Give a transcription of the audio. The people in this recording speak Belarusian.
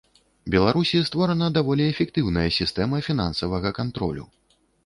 Беларусі створана даволі эфектыўная сістэма фінансавага кантролю.